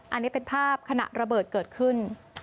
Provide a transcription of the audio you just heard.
อันนี้เป็นภาพขณะระเบิดเกิดขึ้น